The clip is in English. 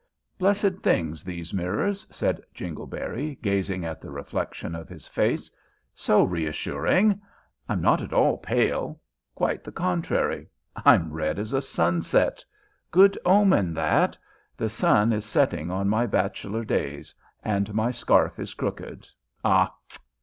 "Blessed things these mirrors," said Jingleberry, gazing at the reflection of his face. "So reassuring. I'm not at all pale. Quite the contrary. I'm red as a sunset. Good omen that! The sun is setting on my bachelor days and my scarf is crooked. Ah!"